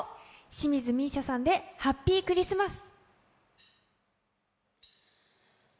清水美依紗さんで「ハッピー・クリスマス」。